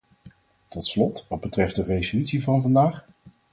Tot slot, wat betreft de resolutie van vandaag...